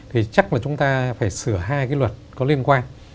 thì chắc là chúng ta phải sửa hai cái luật có liên quan